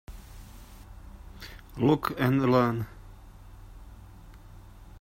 Look and learn.